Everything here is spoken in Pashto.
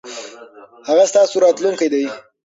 هغه ستاسو راتلونکی دی.